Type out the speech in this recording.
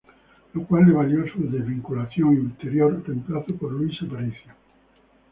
Lo cual le valió su desvinculación y ulterior reemplazo por Luis Aparicio.